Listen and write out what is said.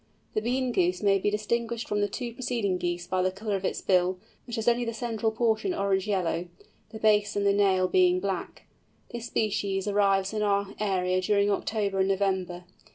The Bean Goose may be distinguished from the two preceding Geese by the colour of its bill, which has only the central portion orange yellow, the base and the nail being black. This species arrives in our area during October and November.